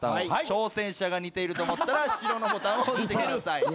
挑戦者が似てると思ったら白のボタンを押してください。